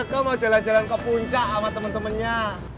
is ini kamu mau jalan jalan ke puncak sama temen temennya